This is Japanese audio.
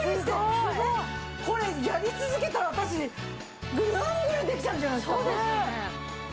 えっこれやり続けたら私ぐんぐんできちゃうんじゃないですか？